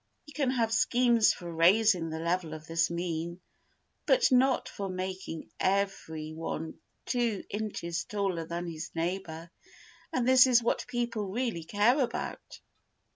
You can have schemes for raising the level of this mean, but not for making every one two inches taller than his neighbour, and this is what people really care about.